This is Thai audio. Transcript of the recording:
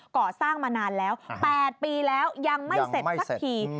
ก่อสร้างมานานแล้ว๘ปีแล้วยังไม่เสร็จสักที